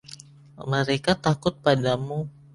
Mereka takut padamu.